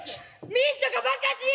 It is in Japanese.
ミントが爆発に！